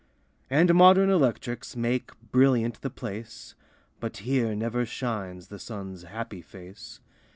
And modern electrics Make brilliant the place, But here never shines The sun's happy face.